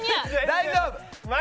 大丈夫！